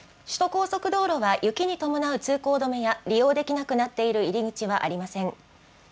首都高速道路は雪に伴う通行止めや、利用できなくなっている入り口はありません。